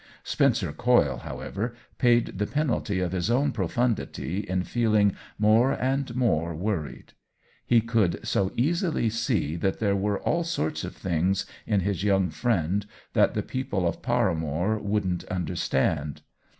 Spencer Coyle, however, paid the penalty of his own profundity in feeling more and more worried ; he could so easily see that there were all sorts of things in his young friend that the people of Para more wouldn't understand.